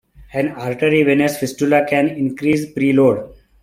An arteriovenous fistula can increase preload.